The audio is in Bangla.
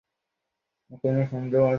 তুই তো ওকে এসব এনে দিস।